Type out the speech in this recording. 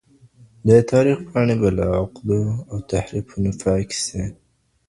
د تاریخ پاڼې به له عقدو او تحریفونو پاکې سي.